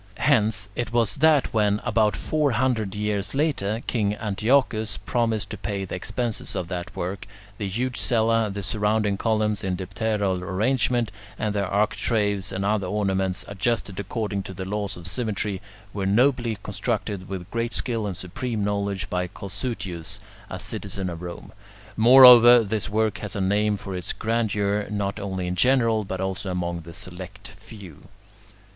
Hence it was that when, about four hundred years later, King Antiochus promised to pay the expenses of that work, the huge cella, the surrounding columns in dipteral arrangement, and the architraves and other ornaments, adjusted according to the laws of symmetry, were nobly constructed with great skill and supreme knowledge by Cossutius, a citizen of Rome. Moreover, this work has a name for its grandeur, not only in general, but also among the select few.